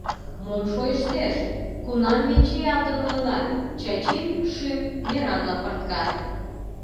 «Мом шойыштеш, кунам венчаялтын улына?» — Чачин шӱм мераҥла пыртка.